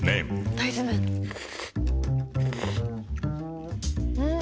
大豆麺ん？